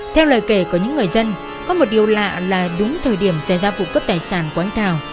theo lời kể của những người dân có một điều lạ là đúng thời điểm xảy ra vụ cướp tài sản của anh thảo